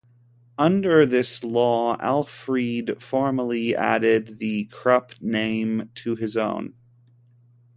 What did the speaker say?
Under this law, Alfried formally added the Krupp name to his own.